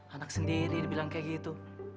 anak sendiri dibilang kayak gitu